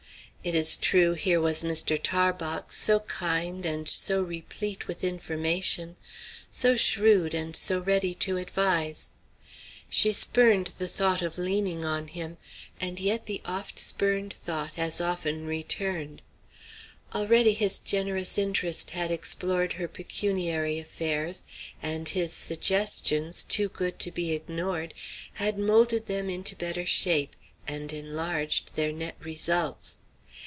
It is true, here was Mr. Tarbox, so kind, and so replete with information; so shrewd and so ready to advise. She spurned the thought of leaning on him; and yet the oft spurned thought as often returned. Already his generous interest had explored her pecuniary affairs, and his suggestions, too good to be ignored, had moulded them into better shape, and enlarged their net results.